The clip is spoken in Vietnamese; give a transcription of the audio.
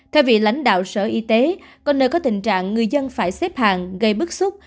theo vị lãnh đạo sở y tế có nơi có tình trạng người dân phải xếp hàng gây bức xúc